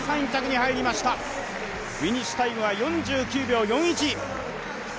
フィニッシュタイムは４９秒４１。